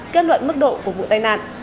kết luận mức độ của vụ tai nạn